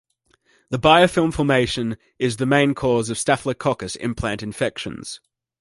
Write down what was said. The biofilm formation is the main cause of "Staphylococcus" implant infections.